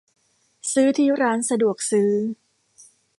ซื้อที่ร้านสะดวกซื้อ